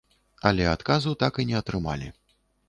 Але адказу так і не атрымалі.